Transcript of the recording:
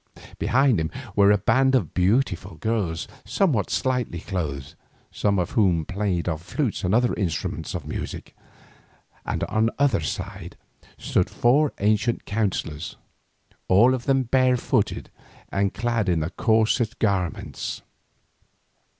Behind him were a band of beautiful girls somewhat slightly clothed, some of whom played on lutes and other instruments of music, and on either side stood four ancient counsellors, all of them barefooted and clad in the coarsest garments.